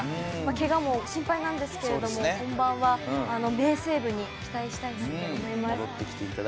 怪我も心配なんですが本番は名セーブに期待したいと思います。